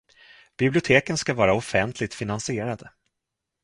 Biblioteken ska vara offentligt finansierade.